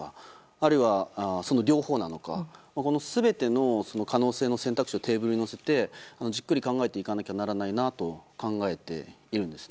あるいはその両方なのかこの全ての可能性の選択肢をテーブルに載せてじっくり考えていかなきゃいけないと考えています。